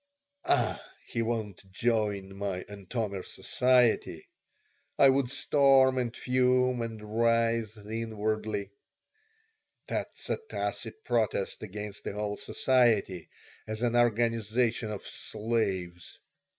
"Ah, he won't join my Antomir Society!" I would storm and fume and writhe inwardly. "That's a tacit protest against the whole society as an organization of 'slaves.'